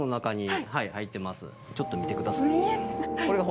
ちょっと見てください。